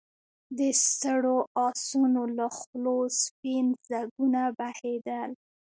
د ستړو آسونو له خولو سپين ځګونه بهېدل.